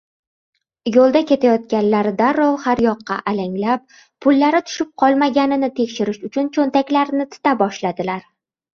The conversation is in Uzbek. Yoʻlda ketayotganlar darrov har yoqqa alanglab, pullari tushib qolmaganini tekshirish uchun choʻntaklarini tita boshladilar.